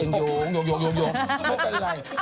โยงไม่เป็นไร